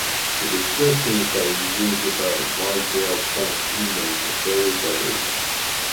The descriptions that exist about the Mark del Pont image are very diverse.